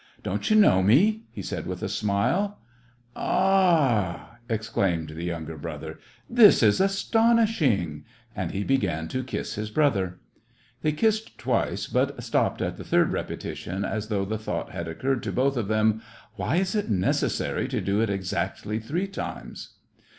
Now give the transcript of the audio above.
" Don't you know me ?" he said with a smile. " A a a !" exclaimed the younger brother ; "this 144 SEVASTOPOL IN AUGUST. is astonishing !" And he began to kiss his brother. They kissed twice, but stopped at the third rep etition as though the thought had occurred to both of them :—*' Why is it necessary to do it exactly three times